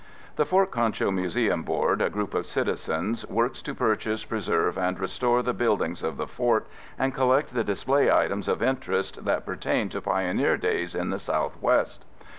The Fort Concho Museum Board, a group of citizens, works to purchase, preserve and restore the buildings of the Fort, and collect the display items of interest that pertain to pioneer days in the Southwest.